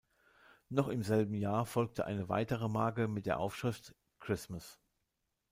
Noch im selben Jahr folgte eine weitere Marke mit der Aufschrift „X-Mas?